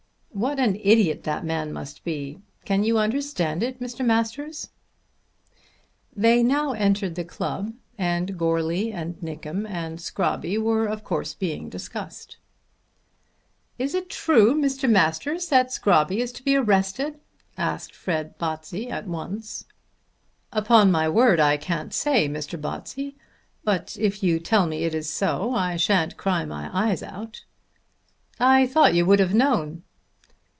"What an idiot that man must be. Can you understand it, Mr. Masters?" They now entered the club and Goarly and Nickem and Scrobby were of course being discussed. "Is it true, Mr. Masters, that Scrobby is to be arrested?" asked Fred Botsey at once. "Upon my word I can't say, Mr. Botsey; but if you tell me it is so I shan't cry my eyes out." "I thought you would have known."